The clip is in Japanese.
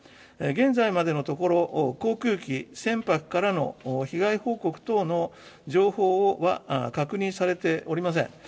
現在までのところ、航空機、船舶からの被害報告等の情報は確認されておりません。